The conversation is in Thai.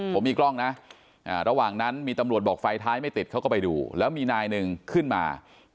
ผมมีกล้องนะระหว่างนั้นมีตำรวจบอกไฟท้ายไม่ติดเขาก็ไปดูแล้วมีนายหนึ่งขึ้นมา